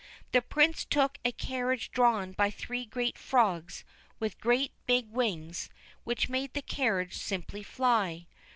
The Prince took a carriage drawn by three great frogs with great big wings, which made the carriage simply fly.